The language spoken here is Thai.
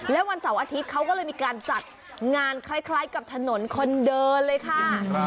แล้ววันเสาร์อาทิตย์เขาก็เลยมีการจัดงานคล้ายกับถนนคนเดินเลยค่ะ